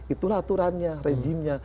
itulah aturannya rejimnya